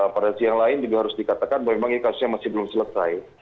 pada sisi yang lain juga harus dikatakan bahwa memang ini kasusnya masih belum selesai